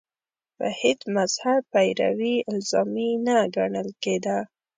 د هېڅ مذهب پیروي الزامي نه ګڼل کېده